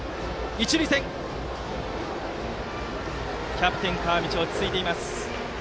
キャプテン、川道落ち着いていました。